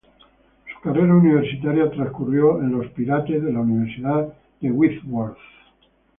Su carrera universitaria transcurrió en los "Pirates" de la Universidad de Whitworth.